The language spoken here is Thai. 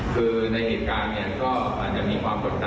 คือในเหตุการณ์เนี่ยก็อาจจะมีความกดดัน